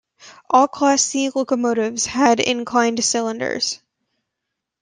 All Class C locomotives had inclined cylinders.